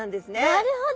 なるほど。